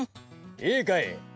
・いいかい！